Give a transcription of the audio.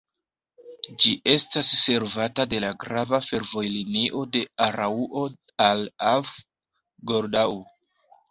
Ĝi estas servata de la grava fervojlinio de Araŭo al Arth-Goldau.